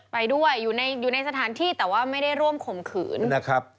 ไปด้วยอยู่ในสถานที่แต่ว่าไม่ได้ร่วมข่มขืนนะครับ